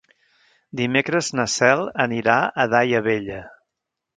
Dimecres na Cel anirà a Daia Vella.